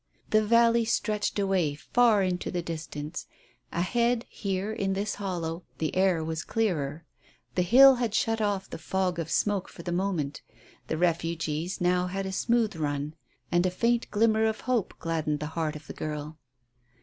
The valley stretched away far into the distance; ahead, here, in this hollow, the air was clearer. The hill had shut off the fog of smoke for the moment The refugees now had a smooth run, and a faint glimmer of hope gladdened the heart of the girl.